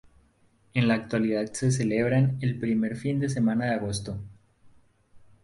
En la actualidad se celebran el primer fin de semana de Agosto.